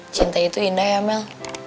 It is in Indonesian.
cinta itu indah ya amel